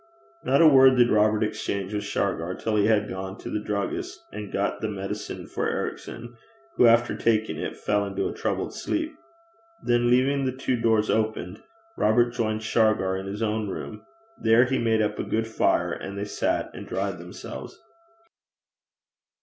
Not a word did Robert exchange with Shargar till he had gone to the druggist's and got the medicine for Ericson, who, after taking it, fell into a troubled sleep. Then, leaving the two doors open, Robert joined Shargar in his own room. There he made up a good fire, and they sat and dried themselves.